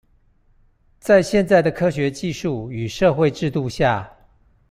在現在的科學技術與社會制度下